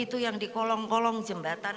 itu yang di kolong kolong jembatan